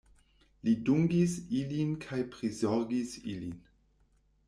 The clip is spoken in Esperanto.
Li dungis ilin kaj prizorgis ilin.